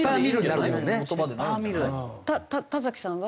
田さんは？